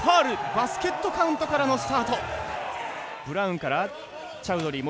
バスケットカウントからのスタート。